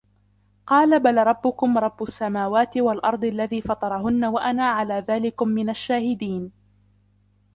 قَالَ بَلْ رَبُّكُمْ رَبُّ السَّمَاوَاتِ وَالْأَرْضِ الَّذِي فَطَرَهُنَّ وَأَنَا عَلَى ذَلِكُمْ مِنَ الشَّاهِدِينَ